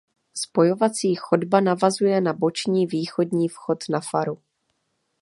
Spojovací chodba navazuje na boční východní vchod na faru.